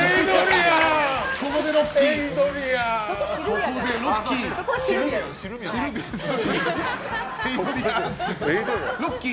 ここで「ロッキー」。